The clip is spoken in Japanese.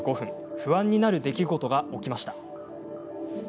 不安になる出来事が起こりました。